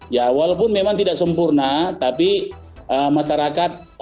ya walaupun memang tidak sempurna tapi masyarakat